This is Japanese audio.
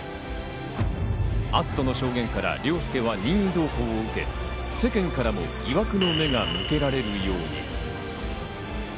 篤斗の証言から凌介は任意同行を受け、世間からも疑惑の目が向けられるように。